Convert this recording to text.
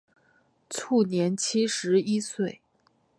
卒年七十一岁。